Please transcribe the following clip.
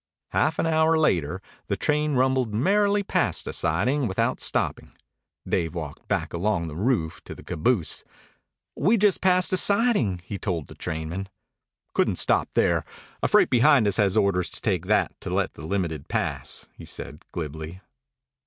Half an hour later the train rumbled merrily past a siding without stopping. Dave walked back along the roof to the caboose. "We've just passed a siding," he told the trainman. "Couldn't stop there. A freight behind us has orders to take that to let the Limited pass," he said glibly.